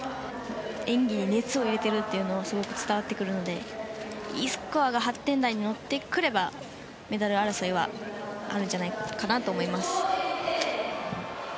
演技に熱を入れているというのがすごく伝わってくるのでＥスコアが８点台に乗ってくればメダル争いはあるんじゃないかなと思います。